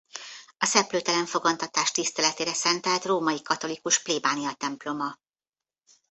A Szeplőtelen fogantatás tiszteletére szentelt római katolikus plébániatemploma.